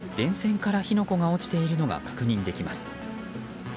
別の映像では電線から火の粉が落ちているのが確認できます。